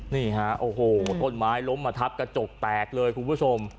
นี่ฮะโอ้โหต้นไม้ล้มมาทับกระจกแตกเลยคุณผู้ชม